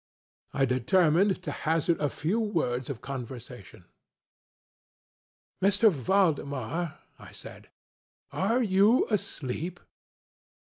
I determined to hazard a few words of conversation. ŌĆ£M. Valdemar, ŌĆØ I said, ŌĆ£are you asleep?